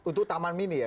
untuk taman mini ya